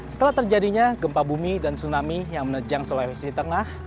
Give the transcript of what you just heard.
setelah terjadinya gempa bumi dan tsunami yang menerjang sulawesi tengah